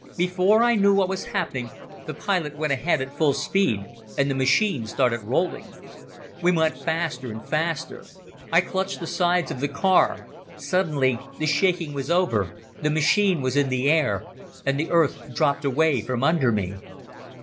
Before I knew what was happening, the pilot went ahead at full speed and the machine started rolling. We went faster and faster. I clutched the sides of the car. Suddenly, the shaking was over, the machine was in the air and the earth dropped away from under me.